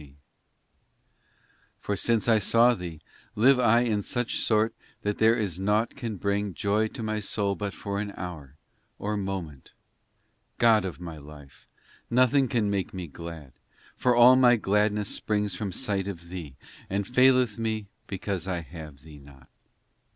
POEMS 295 ii For since I saw Thee, live I in such sort That there is naught can bring Joy to my soul but for an hour, or moment ! in God of my life ! nothing can make me glad, For all my gladness springs from sight of Thee, And faileth me because I have Thee not.